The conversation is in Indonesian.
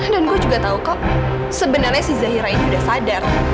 dan gue juga tau kok sebenarnya si zahira ini udah sadar